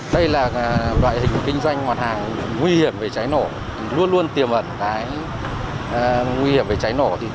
đây là loại hình kinh doanh mặt hàng nguy hiểm về cháy nổ luôn luôn tiềm ẩn nguy hiểm về cháy nổ